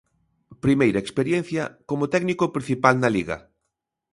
Primeira experiencia como técnico principal na Liga.